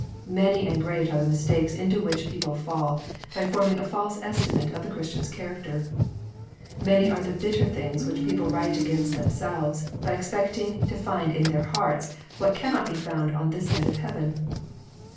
Many and great are the mistakes into which people fall, by form ing a false estimate of the Christian's character. Man}' are the bitter things which people write against themselves, by expecting to find in their hearts what cannot be found on this side of heaven.